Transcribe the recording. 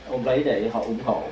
ôm lấy để họ ủng hộ